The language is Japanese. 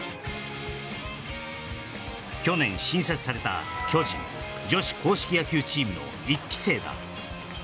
去年新設された巨人女子硬式野球チームの１期生だ